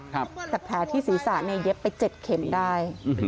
แต่แผลที่ศีรษะเนี่ยเย็บไปเจ็ดเข็มได้